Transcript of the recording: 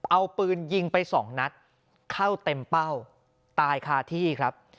เอาปืนยิงไปสองนัดเข้าเต็มเป้าตายคาที่ครับ